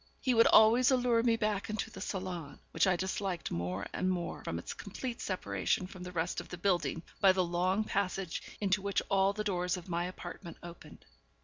He would always allure me back into the salon, which I disliked more and more from its complete separation from the rest of the building by the long passage into which all the doors of my apartment opened.